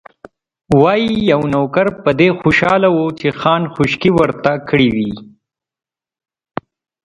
وايي، یو نوکر په دې خوشاله و چې خان خوشکې ورته کړې وې.